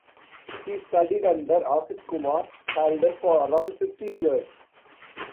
He studied under Asit Kumar Haldar for around fifteen years.